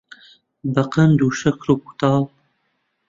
بەقەند و شەکر و کووتاڵ